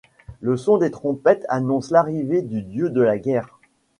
Le son des trompettes annonce l’arrivée du dieu de la guerre.